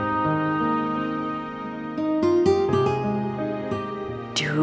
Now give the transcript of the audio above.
kamu tuh keras ya